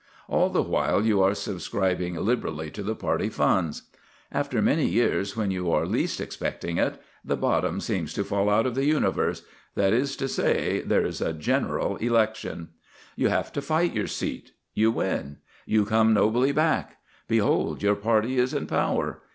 All the while you are subscribing liberally to the party funds. After many years, when you are least expecting it, the bottom seems to fall out of the universe that is to say, there is a General Election. You have to fight your seat; you win; you come nobly back; behold, your party is in power.